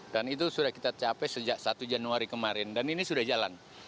dan itu sudah kita capai sejak satu januari kemarin dan ini sudah jalan